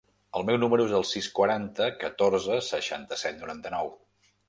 El meu número es el sis, quaranta, catorze, seixanta-set, noranta-nou.